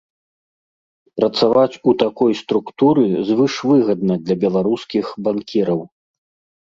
Працаваць у такой структуры звышвыгадна для беларускіх банкіраў.